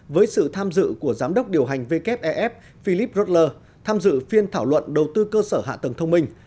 với sự tham dự của giám đốc điều hành wef philip roudler tham dự phiên thảo luận đầu tư cơ sở hạ tầng thông minh